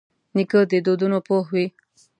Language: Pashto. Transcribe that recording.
نیکه د دودونو پوه وي.